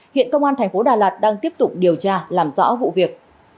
hiện công an thành phố đà lạt đang tiếp tục điều tra làm rõ vụ việc